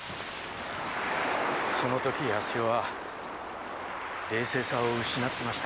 その時康代は冷静さを失ってました。